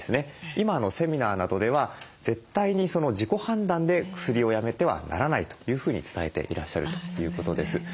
今セミナーなどでは絶対に自己判断で薬をやめてはならないというふうに伝えていらっしゃるということです。